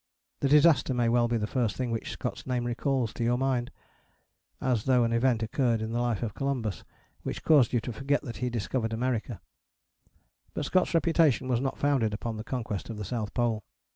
The disaster may well be the first thing which Scott's name recalls to your mind (as though an event occurred in the life of Columbus which caused you to forget that he discovered America); but Scott's reputation is not founded upon the conquest of the South Pole.